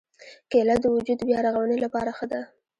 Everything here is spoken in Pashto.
کېله د وجود د بیا رغونې لپاره ښه ده.